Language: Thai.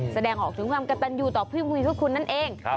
แสดงออกถึงความกระตันอยู่ต่อผู้ยุคคลนั้นเอง